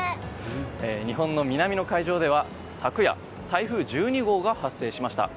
日本の南の海上では昨夜台風１２号が発生しました。